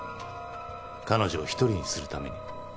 彼女を独りにするために。